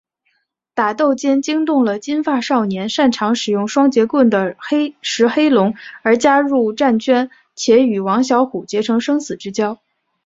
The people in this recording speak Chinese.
打斗间惊动了金发少年擅长使用双节棍的石黑龙而加入战圈且与王小虎结成生死之交。